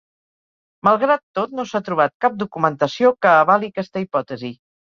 Malgrat tot, no s'ha trobat cap documentació que avali aquesta hipòtesi.